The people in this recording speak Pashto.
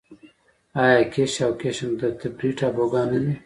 آیا کیش او قشم تفریحي ټاپوګان نه دي؟